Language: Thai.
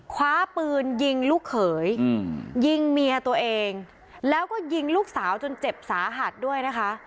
คว้าปืนยิงลูกเขยยิงเมียตัวเองแล้วก็ยิงลูกสาวจนเจ็บสาหัสด้วยนะคะ